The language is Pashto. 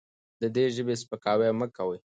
د دې ژبې سپکاوی مه کوئ.